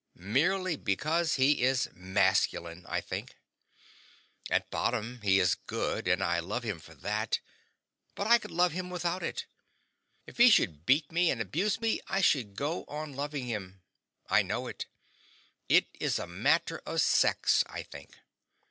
MERELY BECAUSE HE IS MASCULINE, I think. At bottom he is good, and I love him for that, but I could love him without it. If he should beat me and abuse me, I should go on loving him. I know it. It is a matter of sex, I think.